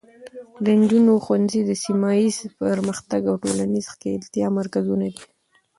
د نجونو ښوونځي د سیمه ایزې پرمختګ او ټولنیزې ښکیلتیا مرکزونه دي.